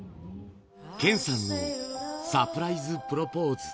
謙さんのサプライズプロポーズ。